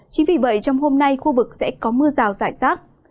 chính vì vậy trong hôm nay khu vực sẽ có mưa rào rải rác